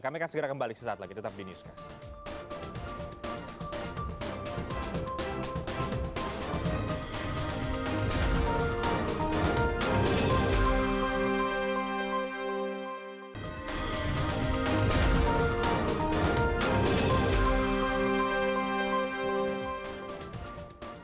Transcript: kami akan segera kembali sesaat lagi tetap di newscast